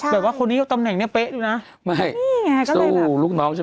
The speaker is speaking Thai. แบบว่าคนนี้ตำแหน่งเนี่ยเป๊ะดูนะ